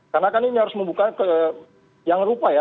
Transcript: karena kan ini harus membuka ke yang rupa ya